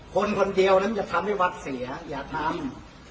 คนคนเดียวนั้นจะทำให้วัดเสียอย่าทำ